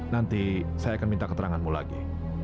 nanti saya akan minta keteranganmu lagi